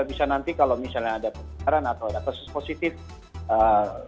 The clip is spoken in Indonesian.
bisa nanti kalau misalnya ada penularan atau ada kasus positif